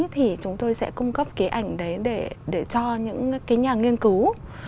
thì chúng tôi sẽ cung cấp cái ảnh đấy để cho những cái nhà nghiên cứu